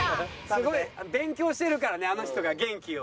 すごい勉強してるからねあの人が元気を。